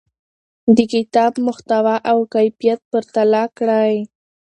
د کتاب محتوا او کیفیت پرتله کړئ.